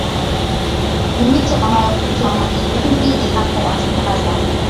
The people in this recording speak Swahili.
ni mito ambayo hutoa maji mengi ni Napo Pastaza